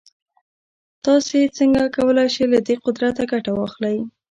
تاسې څنګه کولای شئ له دې قدرته ګټه واخلئ.